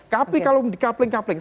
tapi kalau di kapling kapling